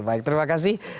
baik terima kasih